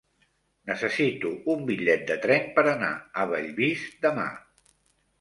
Necessito un bitllet de tren per anar a Bellvís demà.